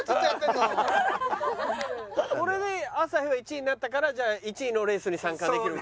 これで朝日は１位になったからじゃあ１位のレースに参加できる。